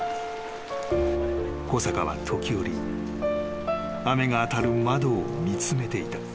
［小坂は時折雨が当たる窓を見つめていた］